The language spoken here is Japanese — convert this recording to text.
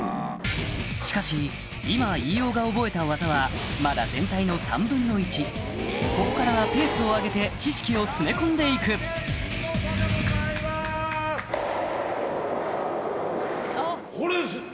しかし今飯尾が覚えた技はまだ全体の３分の１ここからはペースを上げて知識を詰め込んで行くこれです！